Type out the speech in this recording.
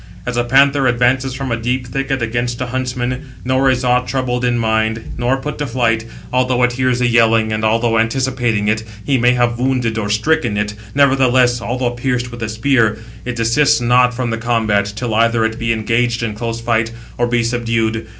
As a panther advances from a deep thicket against a huntsman, 694 nor is aught troubled in mind, nor put to flight, although it hears the yelling; and although anticipating it, he may have wounded, or stricken it, nevertheless, although pierced with a spear, it desists not from the combat, till either it be engaged in close fight, or be subdued.